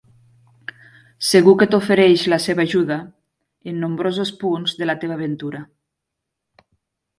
Segur que t'ofereix la seva ajuda en nombrosos punts de la teva aventura.